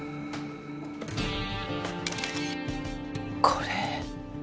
これ。